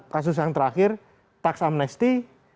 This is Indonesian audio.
kasus yang terakhir tax amnesti